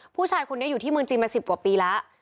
ผู้ชายคนนี้อยู่ที่เมืองจีนมา๑๐กว่าปีแล้ว